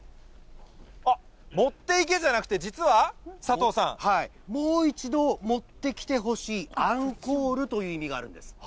あっ、持っていけじゃなくて、もう一度持ってきてほしい、アンコールという意味があるんです。